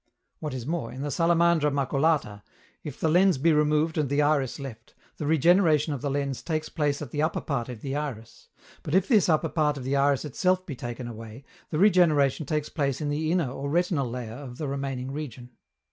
What is more, in the Salamandra maculata, if the lens be removed and the iris left, the regeneration of the lens takes place at the upper part of the iris; but if this upper part of the iris itself be taken away, the regeneration takes place in the inner or retinal layer of the remaining region.